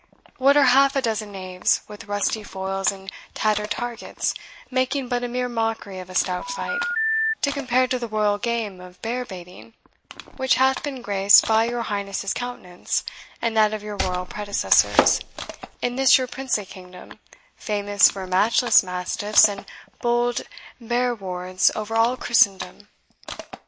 What are half a dozen knaves, with rusty foils and tattered targets, making but a mere mockery of a stout fight, to compare to the royal game of bear baiting, which hath been graced by your Highness's countenance, and that of your royal predecessors, in this your princely kingdom, famous for matchless mastiffs and bold bearwards over all Christendom?